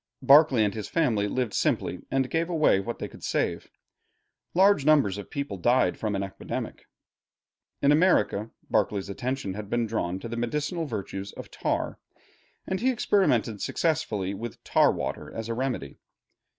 Berkeley and his family lived simply and gave away what they could save. Large numbers of the people died from an epidemic. In America Berkeley's attention had been drawn to the medicinal virtues of tar, and he experimented successfully with tar water as a remedy.